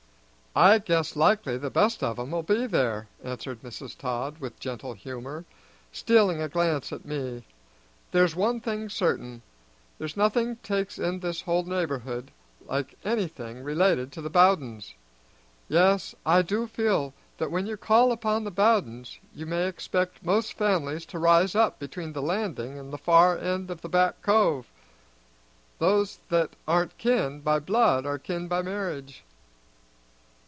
"I guess likely the best of 'em'll be there," answered Mrs. Todd with gentle humor, stealing a glance at me. "There's one thing certain: there's nothing takes in this whole neighborhood like anything related to the Bowdens. Yes, I do feel that when you call upon the Bowdens you may expect most families to rise up between the Landing and the far end of the Back Cove. Those that aren't kin by blood are kin by marriage."